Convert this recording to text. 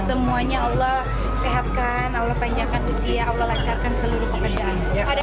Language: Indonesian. semuanya allah sehatkan allah panjangkan usia allah lancarkan seluruh pekerjaan ada